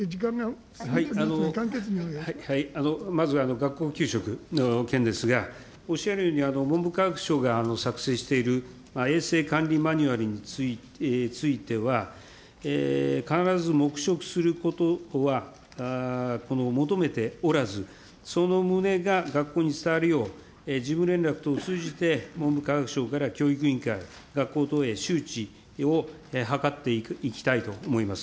まず、学校給食の件ですが、おっしゃるように、文部科学省が作成している衛生管理マニュアルについては、必ず黙食することは求めておらず、その旨が学校に伝わるよう、事務連絡等を通じて、文部科学省から教育委員会、学校等へ周知を図っていきたいと思います。